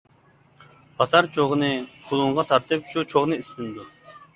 پاسار چوغىنى كۇلۇڭغا تارتىپ شۇ چوغنى ئىسسىنىدۇ.